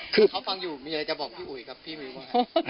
คือเขาฟังอยู่มีอะไรจะบอกพี่อุ๋ยกับพี่มิวบ้างครับ